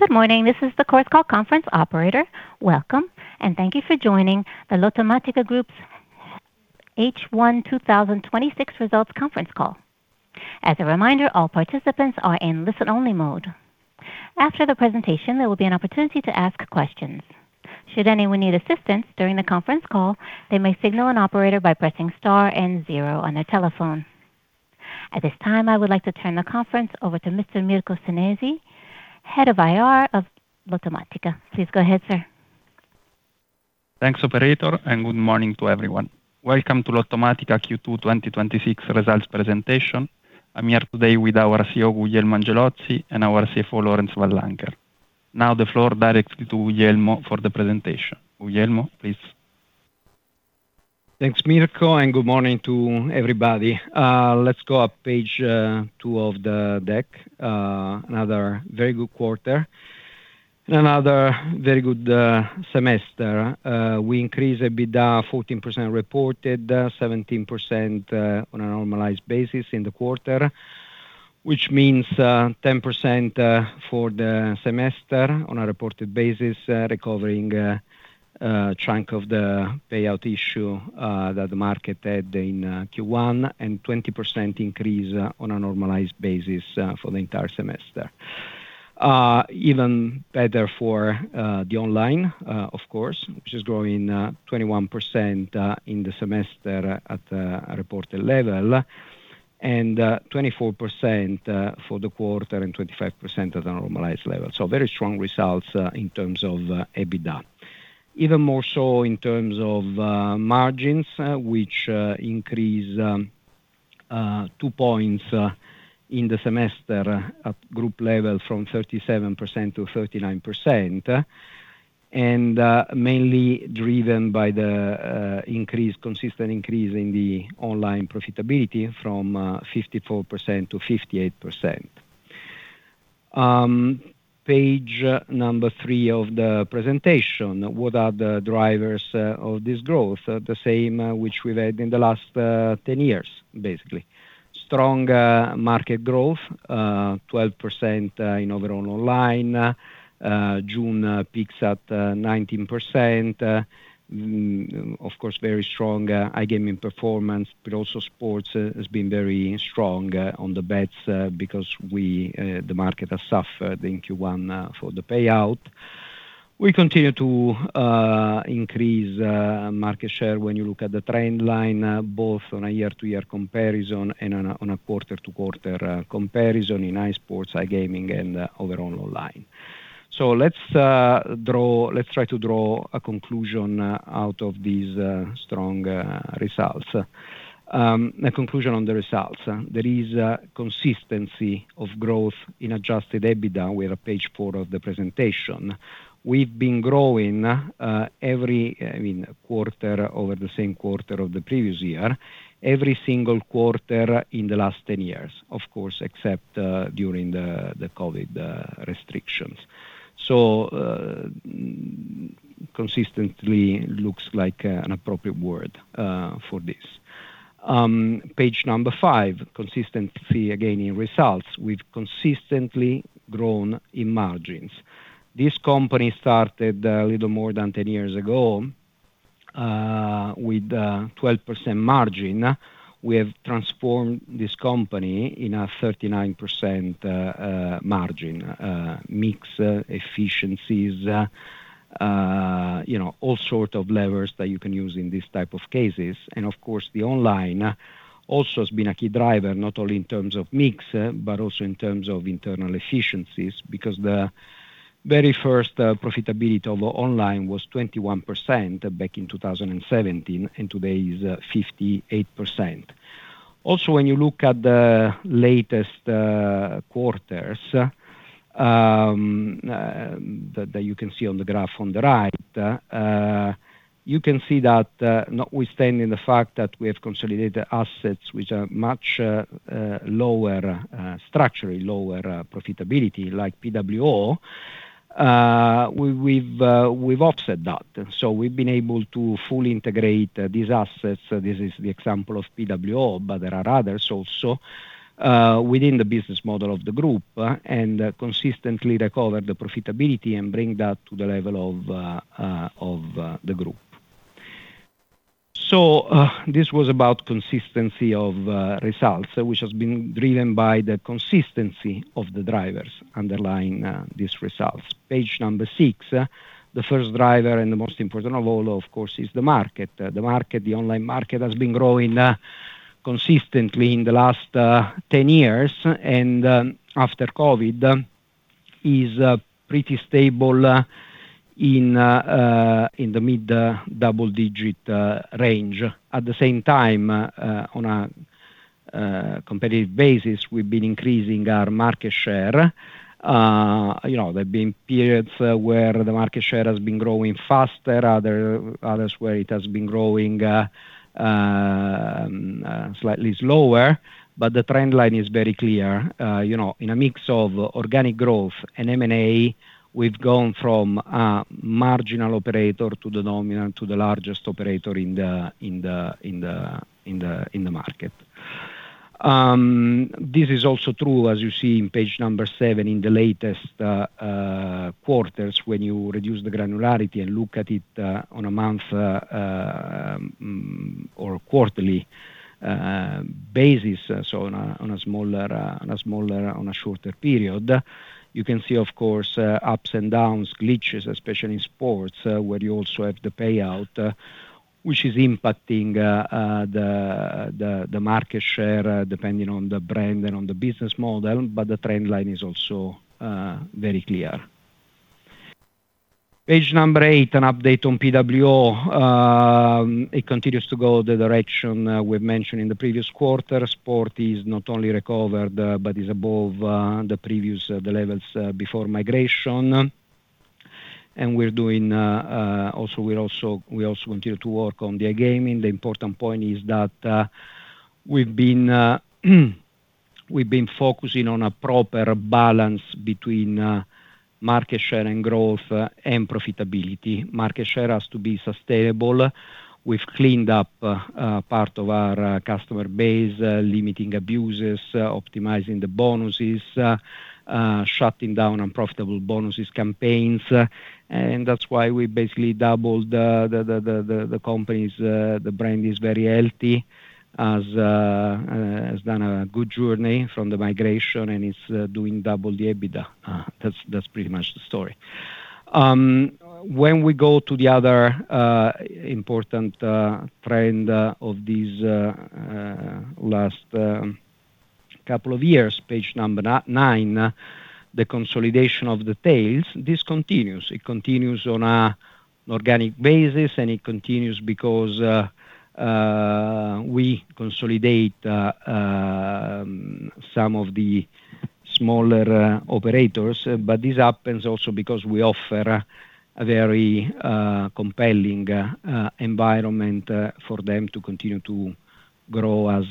Good morning. This is the Chorus Call conference operator. Welcome, and thank you for joining the Lottomatica Group's H1 2026 results conference call. As a reminder, all participants are in listen-only mode. After the presentation, there will be an opportunity to ask questions. Should anyone need assistance during the conference call, they may signal an operator by pressing star and zero on their telephone. At this time, I would like to turn the conference over to Mr. Mirko Senesi, Head of IR of Lottomatica. Please go ahead, sir. Thanks, operator. Good morning to everyone. Welcome to Lottomatica Q2 2026 results presentation. I'm here today with our CEO, Guglielmo Angelozzi, and our CFO, Laurence Van Lancker. The floor directly to Guglielmo for the presentation. Guglielmo, please. Thanks, Mirko. Good morning to everybody. Let's go up page two of the deck. Another very good quarter and another very good semester. We increased EBITDA 14% reported, 17% on a normalized basis in the quarter. Which means 10% for the semester on a reported basis, recovering a chunk of the payout issue that the market had in Q1. 20% increase on a normalized basis for the entire semester. Even better for the online, of course, which is growing 21% in the semester at a reported level. 24% for the quarter and 25% at a normalized level. Very strong results in terms of EBITDA. Even more so in terms of margins, which increase two points in the semester at group level from 37% to 39%. Mainly driven by the consistent increase in the online profitability from 54% to 58%. Page number three of the presentation. What are the drivers of this growth? The same which we've had in the last 10 years, basically. Strong market growth, 12% in overall online. June peaks at 19%. Of course, very strong iGaming performance. Also sports has been very strong on the bets because the market has suffered in Q1 for the payout. We continue to increase market share when you look at the trend line, both on a year-to-year comparison and on a quarter-to-quarter comparison in iSports, iGaming, and overall online. Let's try to draw a conclusion out of these strong results. A conclusion on the results. There is a consistency of growth in adjusted EBITDA. We are at page four of the presentation. We've been growing every quarter over the same quarter of the previous year, every single quarter in the last 10 years. Of course, except during the COVID restrictions. Consistently looks like an appropriate word for this. Page number five. Consistency again in results. We've consistently grown in margins. This company started a little more than 10 years ago with 12% margin. We have transformed this company in a 39% margin. Mix, efficiencies, all sort of levers that you can use in these type of cases. The online also has been a key driver, not only in terms of mix, but also in terms of internal efficiencies, because the very first profitability of online was 21% back in 2017, and today is 58%. Also, when you look at the latest quarters that you can see on the graph on the right, you can see that notwithstanding the fact that we have consolidated assets which are much structurally lower profitability, like PWO, we've offset that. We've been able to fully integrate these assets. This is the example of PWO, there are others also within the business model of the group and consistently recover the profitability and bring that to the level of the group. This was about consistency of results, which has been driven by the consistency of the drivers underlying these results. Page number six. The first driver and the most important of all, of course, is the market. The online market has been growing consistently in the last 10 years and after COVID is pretty stable in the mid double-digit range. At the same time, on a competitive basis, we've been increasing our market share. There've been periods where the market share has been growing faster, others where it has been growing slightly slower. The trend line is very clear. In a mix of organic growth and M&A, we've gone from a marginal operator to the largest operator in the market. This is also true, as you see in page number seven, in the latest quarters, when you reduce the granularity and look at it on a month or quarterly basis, on a shorter period. You can see, of course, ups and downs, glitches, especially in sports, where you also have the payout, which is impacting the market share, depending on the brand and on the business model. The trend line is also very clear. Page number eight, an update on PWO. It continues to go the direction we've mentioned in the previous quarter. Sport is not only recovered, but is above the levels before migration. We also continue to work on the iGaming. The important point is that we've been focusing on a proper balance between market share and growth and profitability. Market share has to be sustainable. We've cleaned up part of our customer base, limiting abuses, optimizing the bonuses, shutting down unprofitable bonuses campaigns. That's why we basically doubled the company. The brand is very healthy, has done a good journey from the migration, and is doing double the EBITDA. That's pretty much the story. When we go to the other important trend of these last couple of years, page number nine, the consolidation of the tails. This continues. It continues on an organic basis, and it continues because we consolidate some of the smaller operators. This happens also because we offer a very compelling environment for them to continue to grow as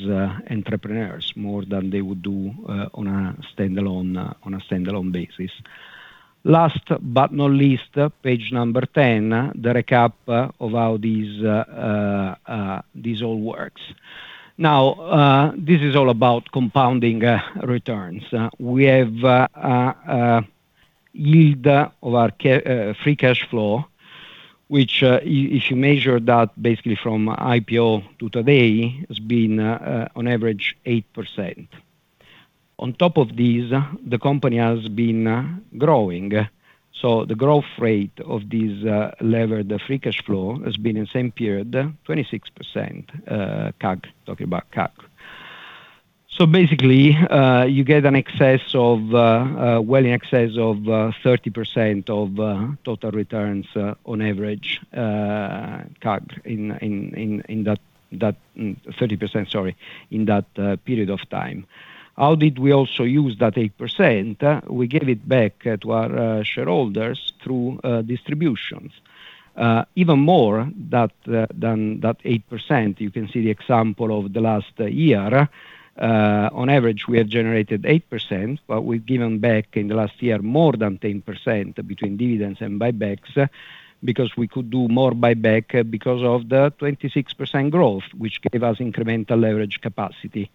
entrepreneurs more than they would do on a standalone basis. Last but not least, page 10, the recap of how this all works. This is all about compounding returns. We have a yield of our free cash flow, which, if you measure that basically from IPO to today, has been on average 8%. On top of this, the company has been growing. The growth rate of this lever, the free cash flow, has been in the same period, 26% CAGR. Talking about CAGR. Basically, you get well in excess of 30% of total returns on average, CAGR 30%, sorry, in that period of time. How did we also use that 8%? We gave it back to our shareholders through distributions. Even more than that 8%, you can see the example of the last year. On average, we have generated 8%, we've given back in the last year more than 10% between dividends and buybacks, because we could do more buyback because of the 26% growth, which gave us incremental leverage capacity.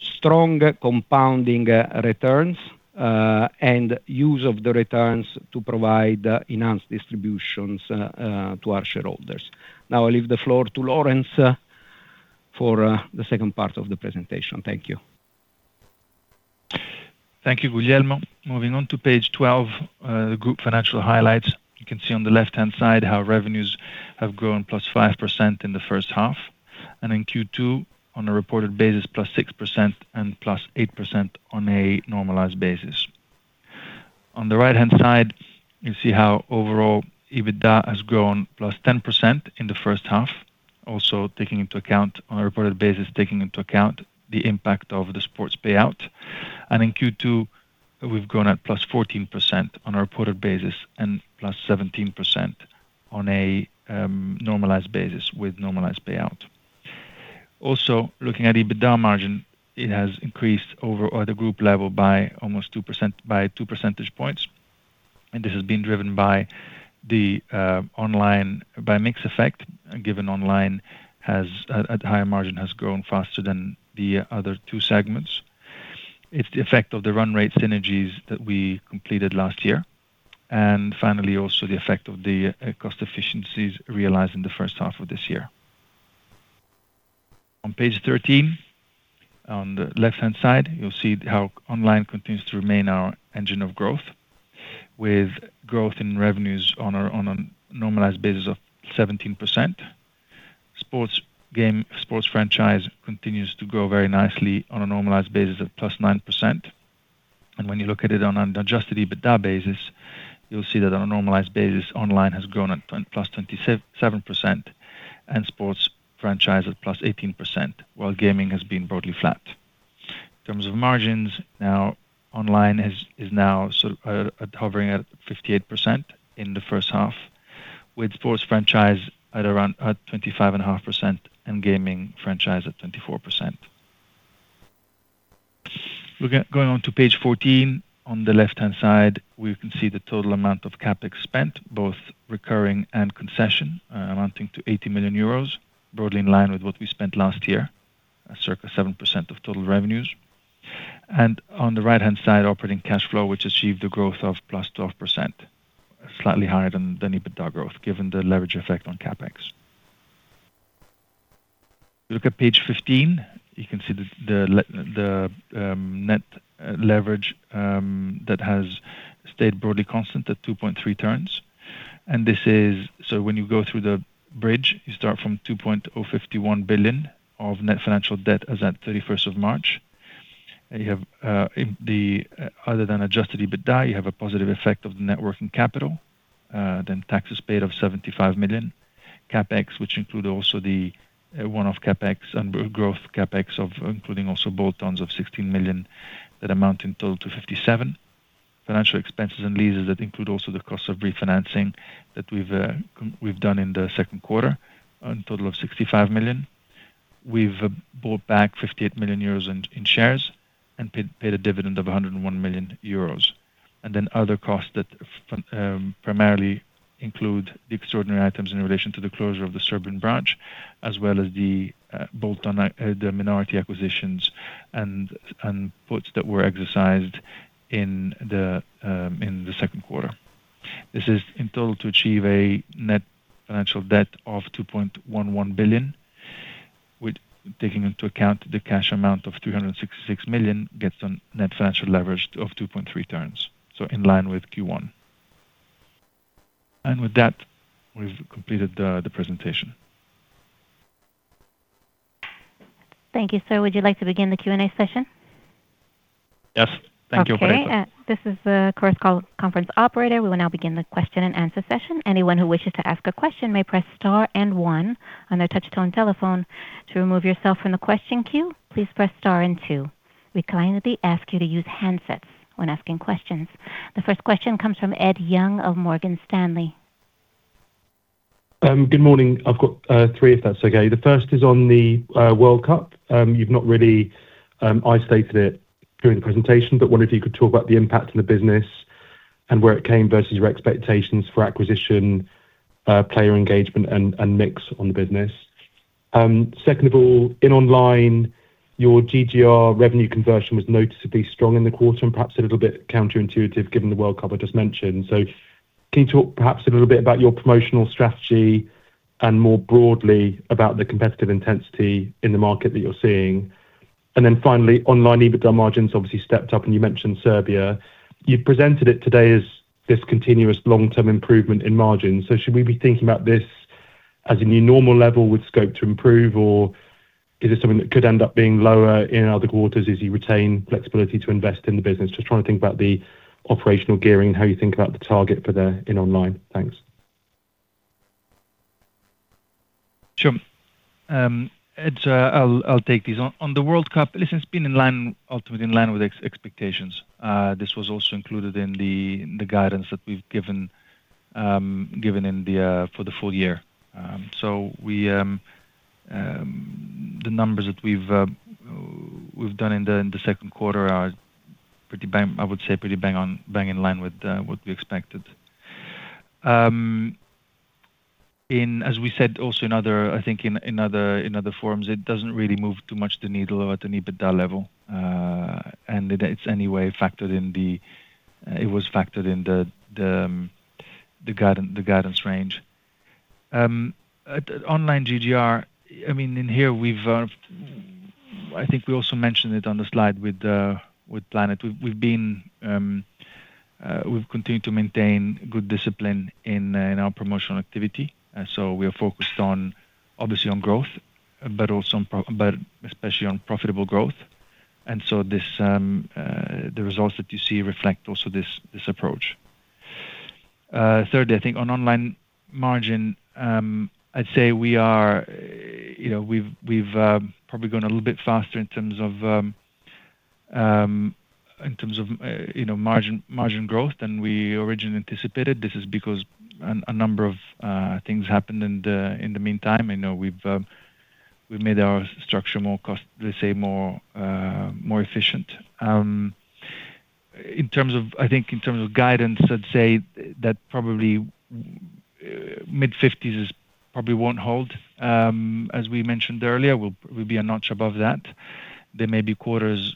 Stronger compounding returns, and use of the returns to provide enhanced distributions to our shareholders. I leave the floor to Laurence for the second part of the presentation. Thank you. Thank you, Guglielmo. Moving on to page 12, the group financial highlights. You can see on the left-hand side how revenues have grown +5% in the first half, and in Q2 on a reported basis, +6% and +8% on a normalized basis. On the right-hand side, you see how overall EBITDA has grown +10% in the first half. Also taking into account on a reported basis, taking into account the impact of the sports payout. In Q2, we've grown at +14% on a reported basis and +17% on a normalized basis with normalized payout. Also, looking at EBITDA margin, it has increased over the group level by two percentage points. This has been driven by mix effect, given Online at higher margin has grown faster than the other two segments. It's the effect of the run rate synergies that we completed last year. Finally, also the effect of the cost efficiencies realized in the first half of this year. On page 13, on the left-hand side, you'll see how Online continues to remain our engine of growth, with growth in revenues on a normalized basis of 17%. Sports Franchise continues to grow very nicely on a normalized basis of +9%. When you look at it on an adjusted EBITDA basis, you'll see that on a normalized basis, Online has grown at +27%, and Sports Franchise at +18%, while Gaming has been broadly flat. In terms of margins, Online is now hovering at 58% in the first half, with Sports Franchise at around 25.5% and Gaming Franchise at 24%. Going on to page 14, on the left-hand side, we can see the total amount of CapEx spent, both recurring and concession, amounting to 80 million euros, broadly in line with what we spent last year, circa 7% of total revenues. On the right-hand side, operating cash flow, which achieved a growth of +12%, slightly higher than the EBITDA growth given the leverage effect on CapEx. Look at page 15. You can see the net leverage that has stayed broadly constant at 2.3 turns. When you go through the bridge, you start from 2.051 billion of net financial debt as at 31st of March. Other than adjusted EBITDA, you have a positive effect of the net working capital, then taxes paid of 75 million, CapEx, which include also the one-off CapEx and growth CapEx including also bolt-ons of 16 million that amount in total to 57 million. Financial expenses and leases that include also the cost of refinancing that we've done in the second quarter on a total of 65 million. We've bought back 58 million euros in shares and paid a dividend of 101 million euros. Then other costs that primarily include the extraordinary items in relation to the closure of the Serbian branch, as well as the minority acquisitions and puts that were exercised in the second quarter. This is in total to achieve a net financial debt of 2.11 billion, with taking into account the cash amount of 366 million gets on net financial leverage of 2.3 turns, so in line with Q1. With that, we've completed the presentation. Thank you, sir. Would you like to begin the Q&A session? Yes. Thank you very much. Okay. This is the conference call operator. We will now begin the question and answer session. Anyone who wishes to ask a question may press star and one on their touch-tone telephone. To remove yourself from the question queue, please press star and two. We kindly ask you to use handsets when asking questions. The first question comes from Ed Young of Morgan Stanley. Good morning. I've got three, if that's okay. The first is on the World Cup. You've not really isolated it during the presentation, but wonder if you could talk about the impact on the business and where it came versus your expectations for acquisition, player engagement, and mix on the business. Second of all, in online, your GGR revenue conversion was noticeably strong in the quarter, and perhaps a little bit counterintuitive given the World Cup I just mentioned. Can you talk perhaps a little bit about your promotional strategy and more broadly about the competitive intensity in the market that you're seeing? Finally, online EBITDA margins obviously stepped up, and you mentioned Serbia. You presented it today as this continuous long-term improvement in margins. Should we be thinking about this as a new normal level with scope to improve, or is it something that could end up being lower in other quarters as you retain flexibility to invest in the business? Just trying to think about the operational gearing and how you think about the target for the in online. Thanks. Sure. Ed, I'll take these. On the World Cup, listen, it's been ultimately in line with expectations. This was also included in the guidance that we've given for the full year. The numbers that we've done in the second quarter are, I would say, pretty bang in line with what we expected. As we said also, I think in other forums, it doesn't really move too much the needle at an EBITDA level. It was factored in the guidance range. Online GGR, I think we also mentioned it on the slide with Planet. We've continued to maintain good discipline in our promotional activity. We are focused obviously on growth, but especially on profitable growth. The results that you see reflect also this approach. Thirdly, I think on online margin, I'd say we've probably gone a little bit faster in terms of margin growth than we originally anticipated. This is because a number of things happened in the meantime. I know we've made our structure more, let's say, more efficient. I think in terms of guidance, I'd say that probably mid-50s probably won't hold. As we mentioned earlier, we'll be a notch above that. There may be quarters,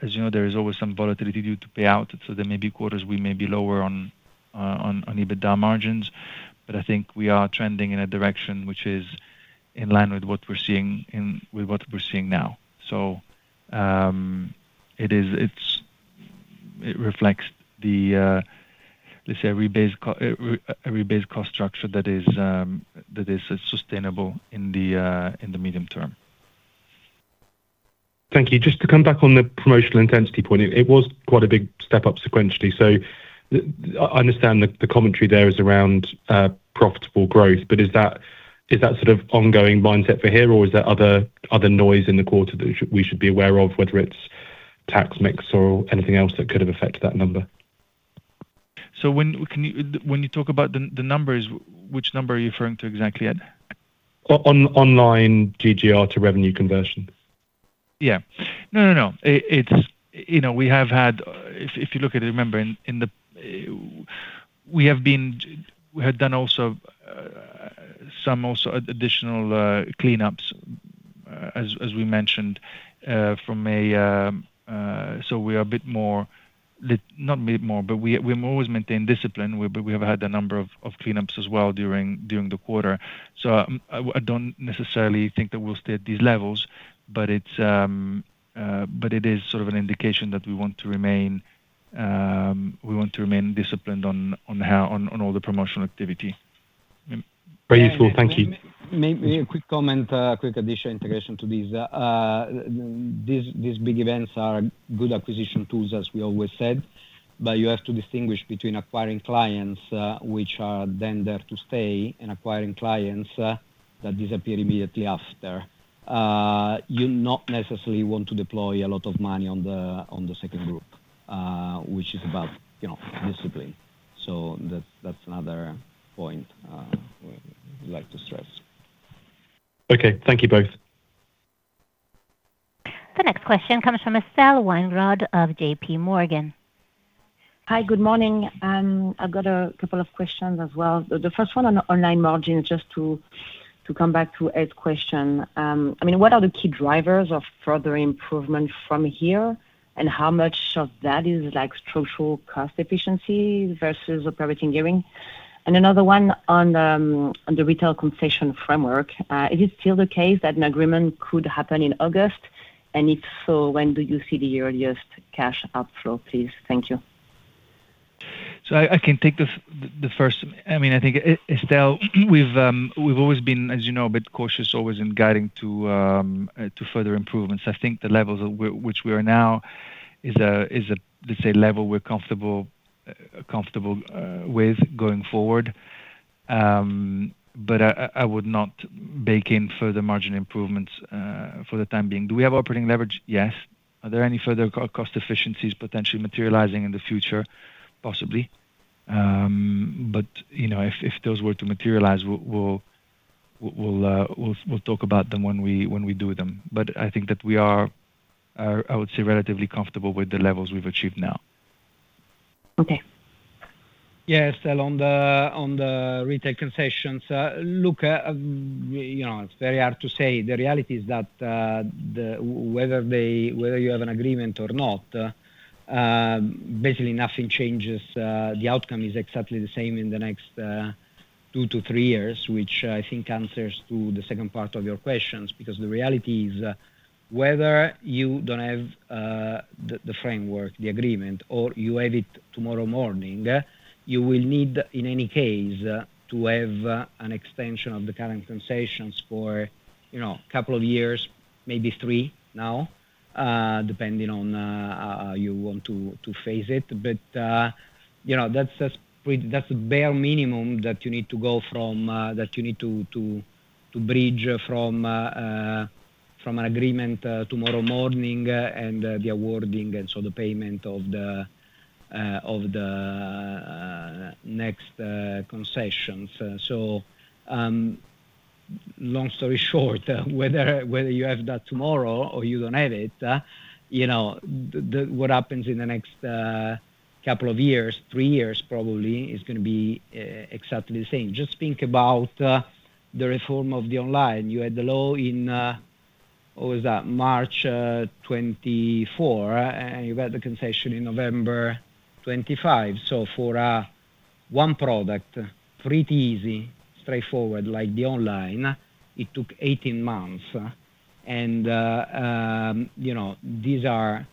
as you know, there is always some volatility due to payout, there may be quarters we may be lower on EBITDA margins, but I think we are trending in a direction which is in line with what we're seeing now. It reflects, let's say, a rebased cost structure that is sustainable in the medium term. Thank you. Just to come back on the promotional intensity point, it was quite a big step up sequentially. I understand the commentary there is around profitable growth, is that sort of ongoing mindset for here, or is there other noise in the quarter that we should be aware of, whether it's tax mix or anything else that could have affected that number? When you talk about the numbers, which number are you referring to exactly, Ed? Online GGR to revenue conversion. Yeah. No, we have had, if you look at it, remember we have done also some additional cleanups, as we mentioned. Not a bit more, but we always maintain discipline. We have had a number of cleanups as well during the quarter. I don't necessarily think that we'll stay at these levels, but it is sort of an indication that we want to remain disciplined on all the promotional activity. Very useful. Thank you. May I make a quick comment, a quick additional integration to this. These big events are good acquisition tools, as we always said. You have to distinguish between acquiring clients, which are then there to stay, and acquiring clients that disappear immediately after. You not necessarily want to deploy a lot of money on the second group, which is about discipline. That's another point I would like to stress. Okay. Thank you both. The next question comes from Estelle Weingrod of JPMorgan. Hi, good morning. I've got a couple of questions as well. The first one on online margin, just to come back to Ed's question. What are the key drivers of further improvement from here, and how much of that is structural cost efficiency versus operating gearing? Another one on the retail concession framework. Is it still the case that an agreement could happen in August? If so, when do you see the earliest cash outflow, please? Thank you. I can take the first. Estelle, we've always been, as you know, a bit cautious always in guiding to further improvements. I think the levels at which we are now is a, let's say, level we're comfortable with going forward. I would not bake in further margin improvements for the time being. Do we have operating leverage? Yes. Are there any further cost efficiencies potentially materializing in the future? Possibly. If those were to materialize, we'll talk about them when we do them. I think that we are, I would say, relatively comfortable with the levels we've achieved now. Okay. Estelle, on the retail concessions. It's very hard to say. The reality is that whether you have an agreement or not, basically nothing changes. The outcome is exactly the same in the next two to three years, which I think answers to the second part of your questions, because the reality is whether you don't have the framework, the agreement, or you have it tomorrow morning, you will need, in any case, to have an extension of the current concessions for a couple of years, maybe three now, depending on how you want to phase it. That's the bare minimum that you need to bridge from an agreement tomorrow morning and the awarding and the payment of the next concessions. Long story short, whether you have that tomorrow or you don't have it, what happens in the next couple of years, three years probably, is going to be exactly the same. Just think about the reform of the online. You had the law in, what was that? March 2024, and you had the concession in November 2025. For one product, pretty easy, straightforward, like the online, it took 18 months. These are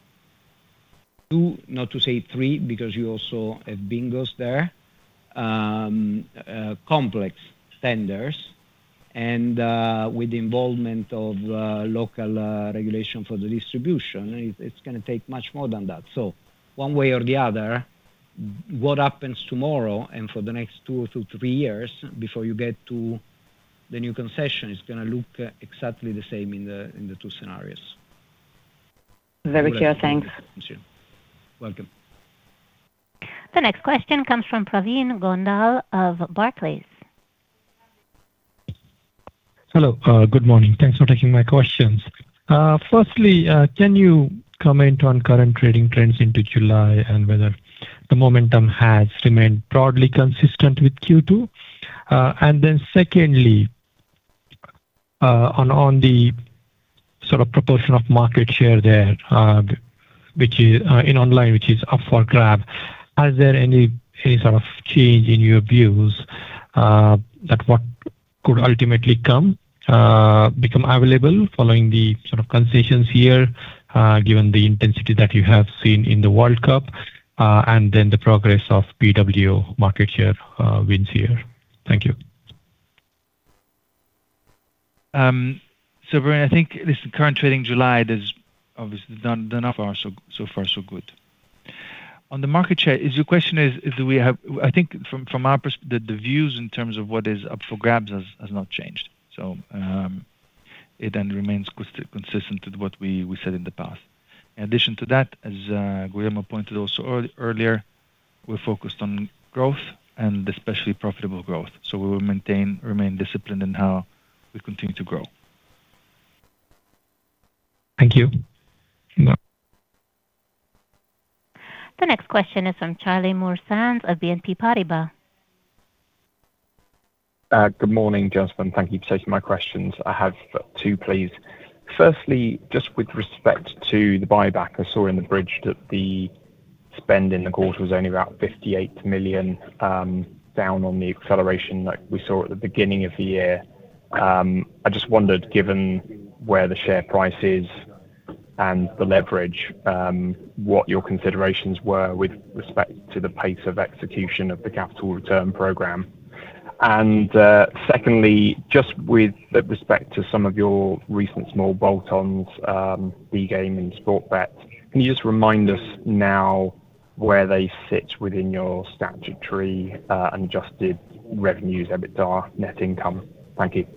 two, not to say three, because you also have bingos there, complex tenders. And with the involvement of local regulation for the distribution, it's going to take much more than that. One way or the other, what happens tomorrow and for the next two to three years before you get to the new concession is going to look exactly the same in the two scenarios. Very clear. Thanks. Welcome. The next question comes from Pravin Gondhale of Barclays. Hello, good morning. Thanks for taking my questions. Firstly, can you comment on current trading trends into July and whether the momentum has remained broadly consistent with Q2? Secondly, on the sort of proportion of market share there, in online, which is up for grab, are there any sort of change in your views that what could ultimately become available following the sort of concessions here, given the intensity that you have seen in the World Cup, then the progress of PWO market share wins here? Thank you. Pravin, I think this current trading July, obviously so far so good. On the market share, I think from our perspective, the views in terms of what is up for grabs has not changed. It remains consistent with what we said in the past. In addition to that, as Guglielmo pointed also earlier, we're focused on growth and especially profitable growth. We will remain disciplined in how we continue to grow. Thank you. You're welcome. The next question is from Charlie Muir-Sands of BNP Paribas. Good morning, gentlemen. Thank you for taking my questions. I have two, please. Firstly, just with respect to the buyback, I saw in the bridge that the spend in the quarter was only about 58 million, down on the acceleration that we saw at the beginning of the year. I just wondered, given where the share price is and the leverage, what your considerations were with respect to the pace of execution of the capital return program. Secondly, just with respect to some of your recent small bolt-ons, Bgame and Sportbet, can you just remind us now where they sit within your statutory unadjusted revenues, EBITDA, net income? Thank you.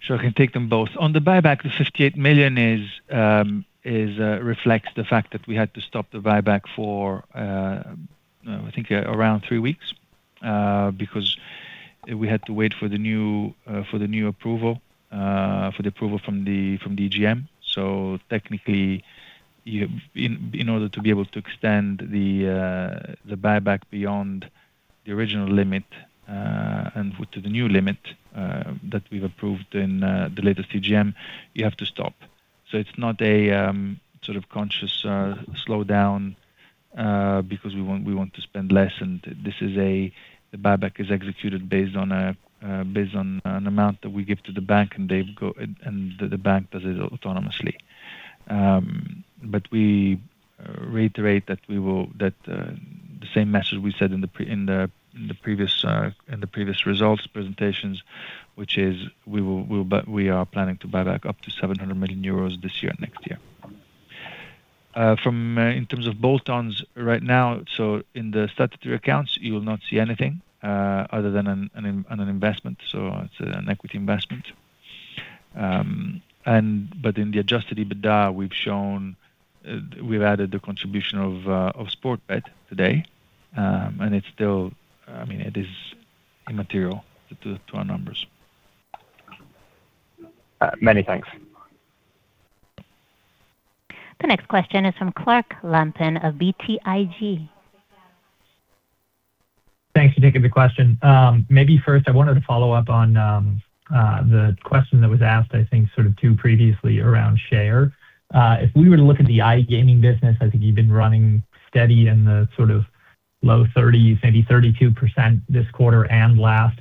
Sure, I can take them both. On the buyback, the 58 million reflects the fact that we had to stop the buyback for, I think around three weeks because we had to wait for the new approval from the AGM. Technically, in order to be able to extend the buyback beyond the original limit and to the new limit that we've approved in the latest AGM, you have to stop. It's not a conscious slowdown because we want to spend less. The buyback is executed based on an amount that we give to the bank, and the bank does it autonomously. We reiterate the same message we said in the previous results presentations, which is we are planning to buy back up to 700 million euros this year and next year. In terms of bolt-ons right now, in the statutory accounts, you will not see anything other than an investment. It's an equity investment. In the adjusted EBITDA we've added the contribution of Sportbet today. It is immaterial to our numbers. Many thanks. The next question is from Clark Lampen of BTIG. Thanks for taking the question. Maybe first I wanted to follow up on the question that was asked, I think sort of two previously around share. If we were to look at the iGaming business, I think you've been running steady in the sort of low 30s, maybe 32% this quarter and last.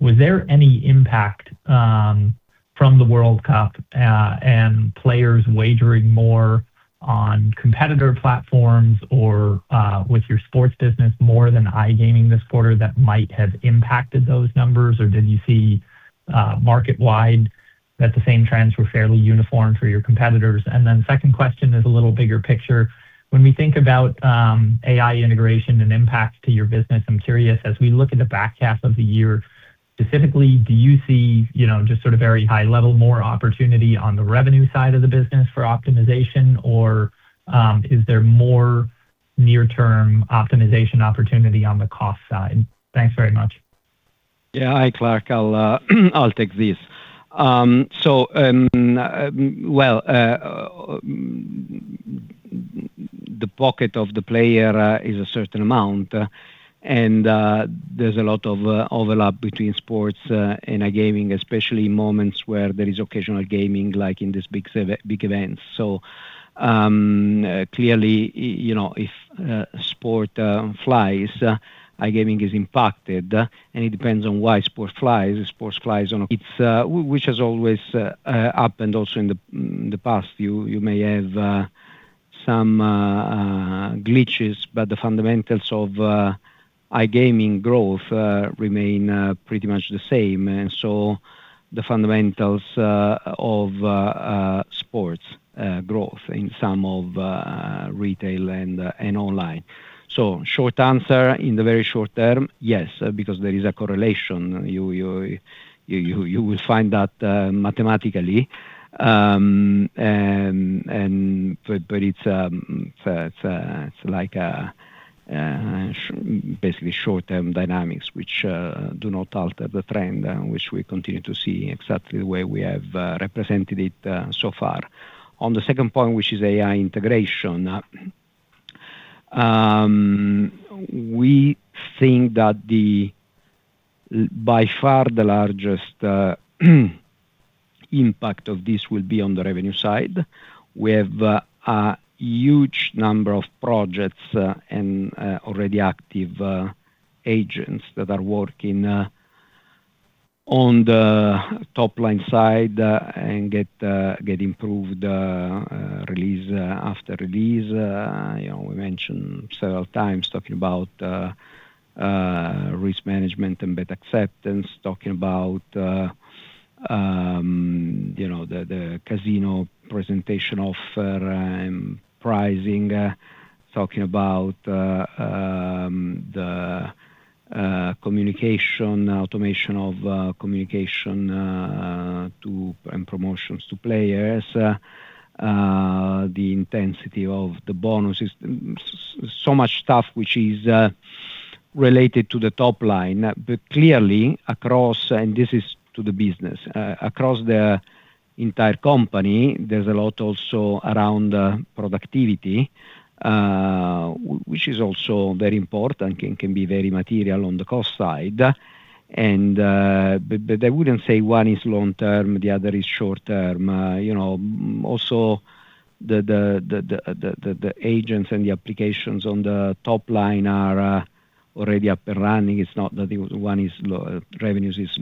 Was there any impact from the World Cup, and players wagering more on competitor platforms or, with your sports business more than iGaming this quarter that might have impacted those numbers? Or did you see market-wide that the same trends were fairly uniform for your competitors? Second question is a little bigger picture. When we think about AI integration and impact to your business, I'm curious, as we look at the back half of the year specifically, do you see just sort of very high level, more opportunity on the revenue side of the business for optimization? Or is there more near-term optimization opportunity on the cost side? Thanks very much. Yeah. Hi, Clark. I'll take this. The pocket of the player is a certain amount and there's a lot of overlap between sports and iGaming, especially moments where there is occasional gaming, like in these big events. Clearly, if sport flies, iGaming is impacted. It depends on why sport flies. If sport flies on its own, which has always happened also in the past. You may have some glitches, but the fundamentals of iGaming growth remain pretty much the same. The fundamentals of sports growth in some of retail and online. Short answer in the very short term, yes, because there is a correlation. You will find that mathematically. It's basically short-term dynamics which do not alter the trend, which we continue to see exactly the way we have represented it so far. On the second point, which is AI integration. We think that by far the largest impact of this will be on the revenue side. We have a huge number of projects and already active agents that are working on the top-line side and get improved release after release. We mentioned several times talking about risk management and bet acceptance, talking about the casino presentation of pricing, talking about the communication, automation of communication and promotions to players, the intensity of the bonuses. Much stuff which is related to the top line. Clearly, and this is to the business, across the entire company, there's a lot also around productivity, which is also very important and can be very material on the cost side. I wouldn't say one is long-term, the other is short-term. Also, the agents and the applications on the top line are already up and running. It's not that one is revenues is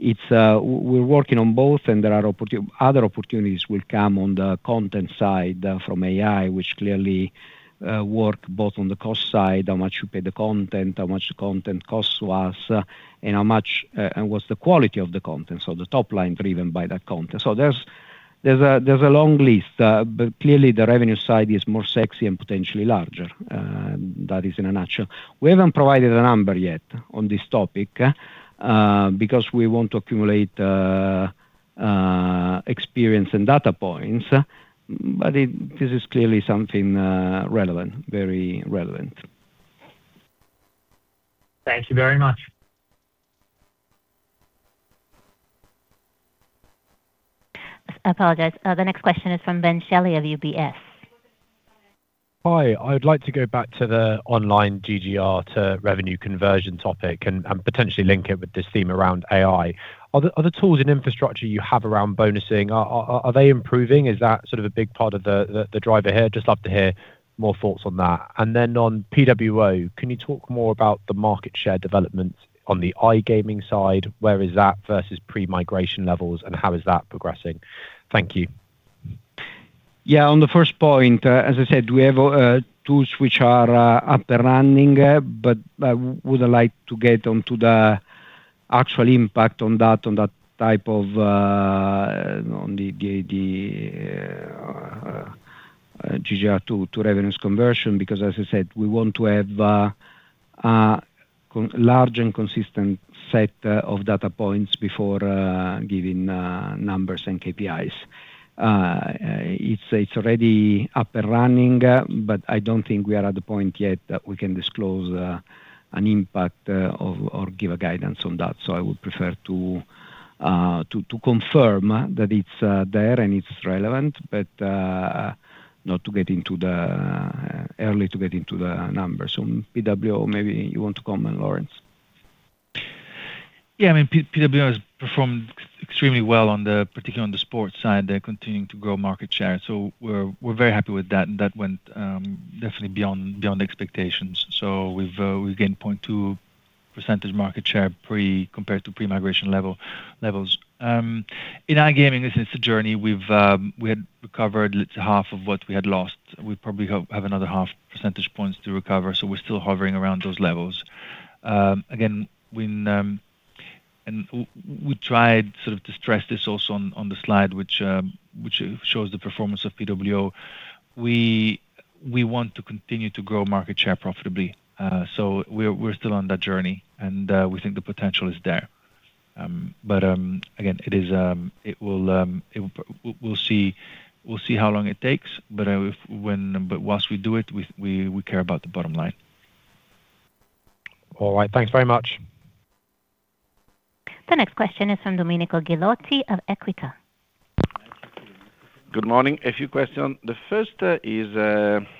long-term. We're working on both, and there are other opportunities will come on the content side from AI, which clearly work both on the cost side, how much you pay the content, how much the content costs to us, and what's the quality of the content, so the top line driven by that content. There's a long list. Clearly, the revenue side is more sexy and potentially larger. That is in a nutshell. We haven't provided a number yet on this topic, because we want to accumulate experience and data points. This is clearly something relevant. Very relevant. Thank you very much. I apologize. The next question is from Ben Shelley of UBS. Hi. I would like to go back to the online GGR-to-revenue conversion topic and potentially link it with this theme around AI. Are the tools and infrastructure you have around bonusing, are they improving? Is that sort of a big part of the driver here? Just love to hear more thoughts on that. On PWO, can you talk more about the market share development on the iGaming side? Where is that versus pre-migration levels, and how is that progressing? Thank you. On the first point, as I said, we have tools which are up and running, I would like to get onto the actual impact on that type of GGR-to-revenues conversion. As I said, we want to have a large and consistent set of data points before giving numbers and KPIs. It's already up and running, I don't think we are at the point yet that we can disclose an impact, or give a guidance on that. I would prefer to confirm that it's there and it's relevant, but not too early to get into the numbers. On PWO, maybe you want to comment, Laurence? PWO has performed extremely well, particularly on the sports side. They're continuing to grow market share. We're very happy with that, and that went definitely beyond expectations. We've gained 0.2 percentage market share compared to pre-migration levels. In iGaming, this is the journey. We had recovered half of what we had lost. We probably have another 0.5 percentage points to recover, we're still hovering around those levels. Again, we tried to stress this also on the slide, which shows the performance of PWO. We want to continue to grow market share profitably. We're still on that journey, and we think the potential is there. Again, we'll see how long it takes, but whilst we do it, we care about the bottom line. All right. Thanks very much. The next question is from Domenico Ghilotti of Equita. Good morning. A few questions. The first is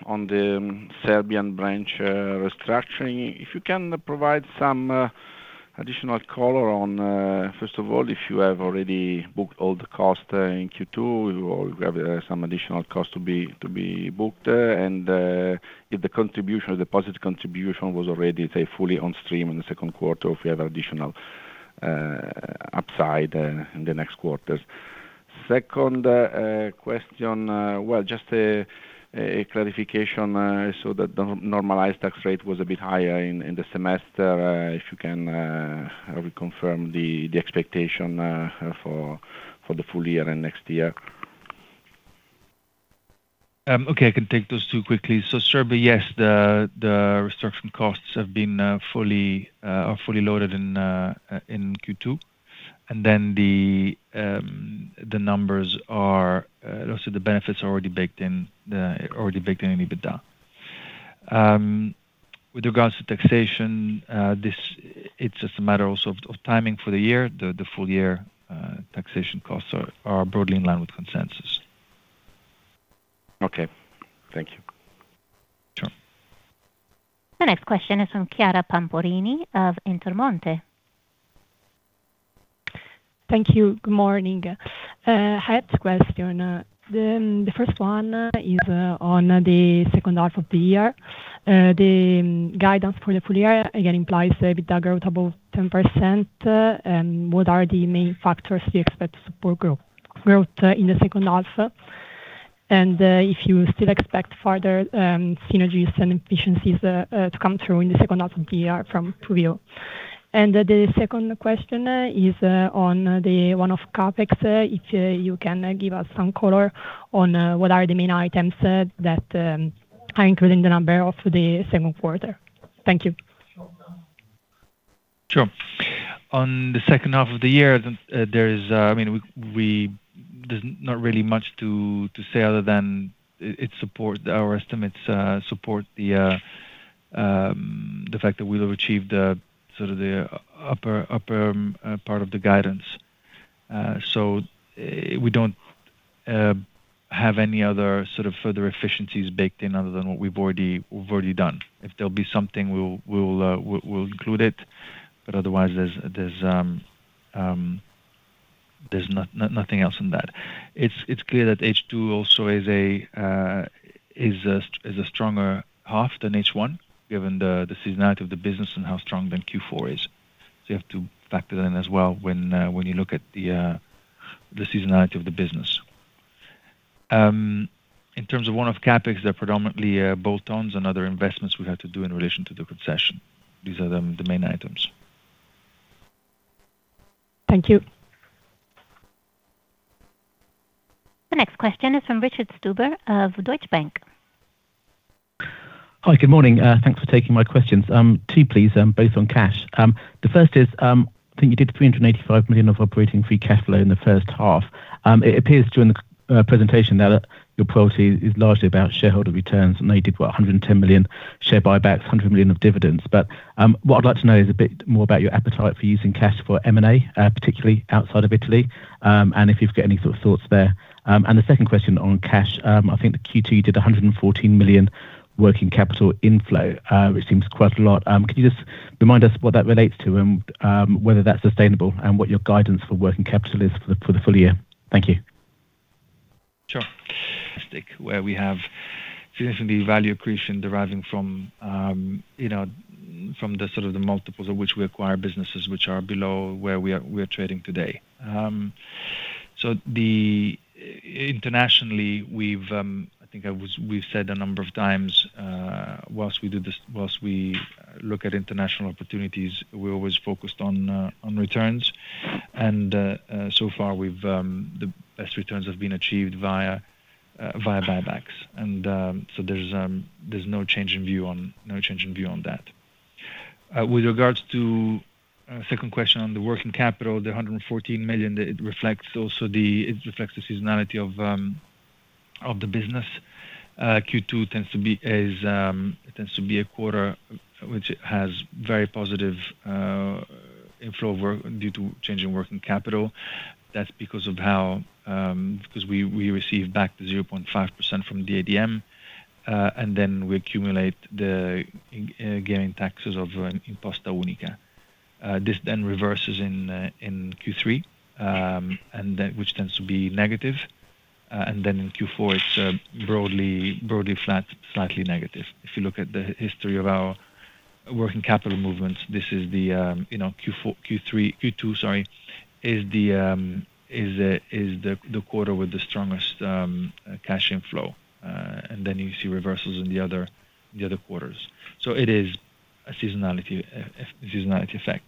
on the Serbian branch restructuring. If you can provide some additional color on, first of all, if you have already booked all the costs in Q2, or you have some additional cost to be booked, and if the positive contribution was already, say, fully on stream in the second quarter, or if we have additional upside in the next quarters. Second question, well, just a clarification. I saw that the normalized tax rate was a bit higher in the semester. If you can reconfirm the expectation for the full year and next year. Okay. I can take those two quickly. Serbia, yes, the restructuring costs have been fully loaded in Q2. The numbers are, also the benefits are already baked in EBITDA. With regards to taxation, it's just a matter of timing for the year. The full year taxation costs are broadly in line with consensus. Okay. Thank you. Sure. The next question is from Chiara Pampurini of Intermonte. Thank you. Good morning. I had two question. What are the main factors you expect to support growth in the second half? If you still expect further synergies and efficiencies to come through in the second half of the year from PWO. The second question is on the one-off CapEx, if you can give us some color on what are the main items that are included in the number of the second quarter. Thank you. Sure. On the second half of the year, there's not really much to say other than our estimates support the fact that we'll have achieved the upper part of the guidance. We don't have any other further efficiencies baked in other than what we've already done. If there'll be something, we'll include it, otherwise, there's nothing else in that. It's clear that H2 also is a stronger half than H1, given the seasonality of the business and how strong Q4 is. You have to factor that in as well when you look at the seasonality of the business. In terms of one-off CapEx, they're predominantly bolt-ons and other investments we have to do in relation to the concession. These are the main items. Thank you. The next question is from Richard Stuber of Deutsche Bank. Hi, good morning. Thanks for taking my questions. Two, please, both on cash. The first is, I think you did 385 million of operating free cash flow in the first half. It appears during the presentation that your priority is largely about shareholder returns, and you did, what, 110 million share buybacks, 100 million of dividends. What I'd like to know is a bit more about your appetite for using cash for M&A, particularly outside of Italy, and if you've got any sort of thoughts there. The second question on cash, I think that Q2 you did 114 million working capital inflow, which seems quite a lot. Can you just remind us what that relates to and whether that's sustainable, and what your guidance for working capital is for the full year? Thank you. Sure. where we have significantly value accretion deriving from the multiples at which we acquire businesses which are below where we are trading today. Internationally, I think we've said a number of times, whilst we look at international opportunities, we're always focused on returns, and so far the best returns have been achieved via buybacks. There's no change in view on that. With regards to second question on the working capital, the 114 million, it reflects the seasonality of the business. Q2 tends to be a quarter which has very positive inflow due to change in working capital. That's because we receive back the 0.5% from ADM, and then we accumulate the gaming taxes of Imposta Unica. This reverses in Q3, which tends to be negative. In Q4, it's broadly flat, slightly negative. If you look at the history of our working capital movements, Q2 is the quarter with the strongest cash inflow. You see reversals in the other quarters. It is a seasonality effect.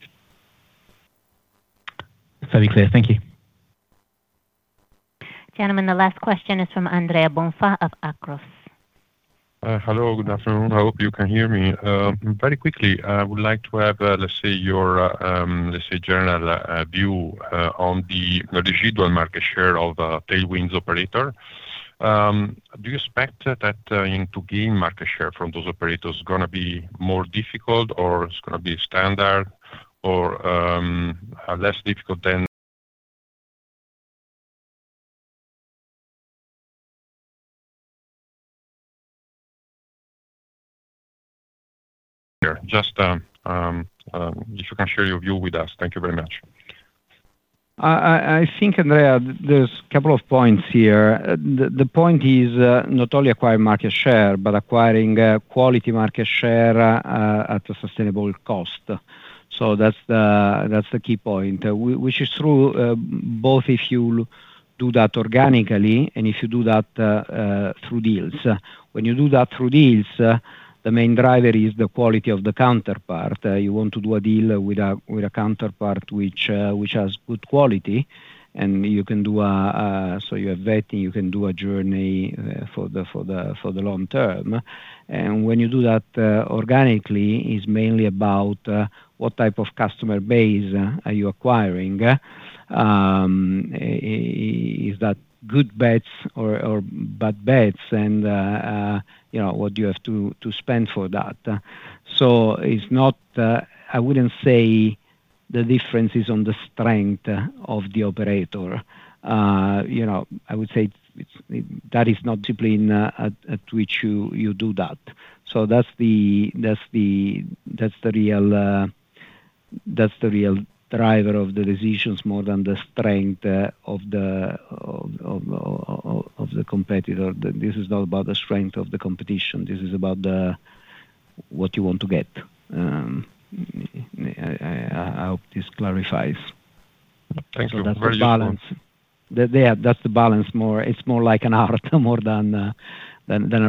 Very clear. Thank you. Gentlemen, the last question is from Andrea Bonfà of Akros. Hello, good afternoon. I hope you can hear me. Very quickly, I would like to have, let's say, your general view on the residual market share of tail-end operator. Do you expect that to gain market share from those operators going to be more difficult, or it's going to be standard, or less difficult? Just if you can share your view with us. Thank you very much. I think, Andrea, there's a couple of points here. The point is not only acquiring market share, but acquiring quality market share at a sustainable cost. That's the key point. Which is true both if you do that organically and if you do that through deals. When you do that through deals, the main driver is the quality of the counterpart. You want to do a deal with a counterpart which has good quality, and you have vetting, you can do a journey for the long term. When you do that organically, it's mainly about what type of customer base are you acquiring. Is that good bets or bad bets? And what you have to spend for that. I wouldn't say the difference is on the strength of the operator. I would say that is not typically at which you do that. That's the real driver of the decisions more than the strength of the competitor. This is not about the strength of the competition. This is about what you want to get. I hope this clarifies. Thank you. Very useful. That's the balance. It's more like an art more than a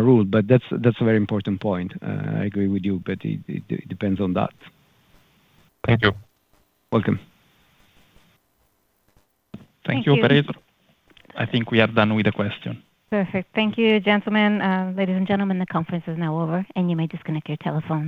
rule. That's a very important point. I agree with you, it depends on that. Thank you. Welcome. Thank you, operator. I think we are done with the questions. Perfect. Thank you, gentlemen. Ladies and gentlemen, the conference is now over and you may disconnect your telephones.